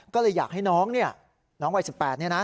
ก็เลยอยากให้น้องเนี่ยน้องวัย๑๘เนี่ยนะ